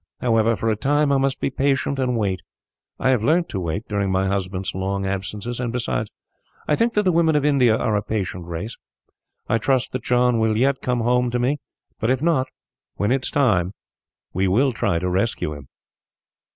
However, for a time I must be patient and wait. I have learnt to wait, during my husband's long absences; and besides, I think that the women of India are a patient race. I trust that John will yet come home to me, but if not, when it is time, we will try to rescue him."